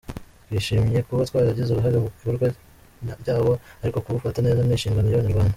Twishimye kuba twaragize uruhare mu ikorwa ryawo ariko kuwufata neza ni inshingano y’Abanyarwanda.